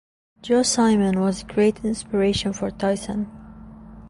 Joe Simon was a great inspiration for Tyson.